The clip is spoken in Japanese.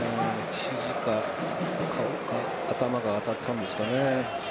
ひじか頭が当たったんですかね。